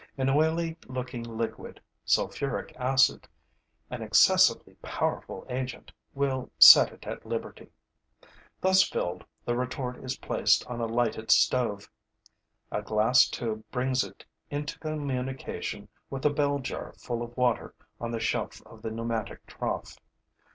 An oily looking liquid, sulfuric acid, an excessively powerful agent, will set it at liberty. Thus filled, the retort is placed on a lighted stove. A glass tube brings it into communication with a bell jar full of water on the shelf of the pneumatic trough.